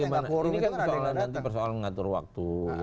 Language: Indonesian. ini kan persoalan mengatur waktu